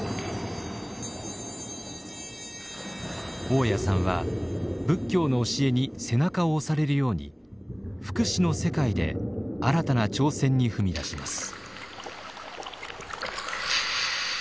雄谷さんは仏教の教えに背中を押されるように福祉の世界で新たな挑戦に踏み出します。